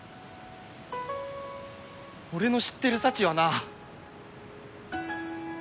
俺の知ってるサチはな。